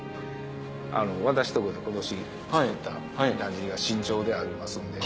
私のとこで今年作っただんじりが新調でありますんで。